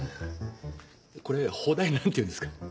これ邦題何て言うんですか？